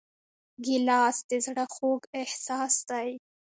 ګیلاس د زړه خوږ احساس دی.